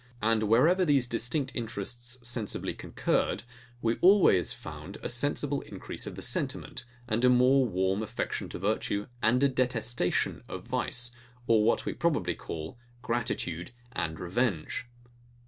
And wherever these distinct interests sensibly concurred, we always found a sensible increase of the sentiment, and a more warm affection to virtue, and detestation of vice, or what we properly call, GRATITUDE and REVENGE.